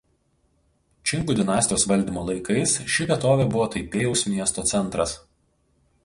Čingų dinastijos valdymo laikais ši vietovė buvo Taipėjaus miesto centras.